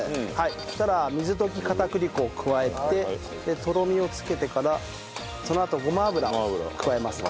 そしたら水溶き片栗粉を加えてとろみをつけてからそのあとごま油を加えます。